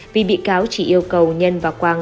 vì bị cáo chỉ yêu cầu nhân và quang